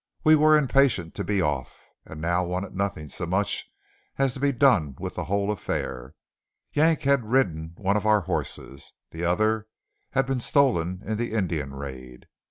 We were impatient to be off, and now wanted nothing so much as to be done with the whole affair. Yank had ridden one of our horses; the other had been stolen in the Indian raid.